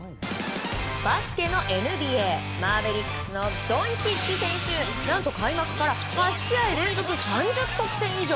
バスケのＮＢＡマーベリックスのドンチッチ選手何と開幕から８試合連続３０得点以上。